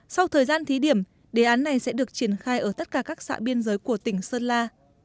sau thời gian thí điểm đề án này sẽ được triển khai ở tất cả các xã biên giới của tỉnh sơn la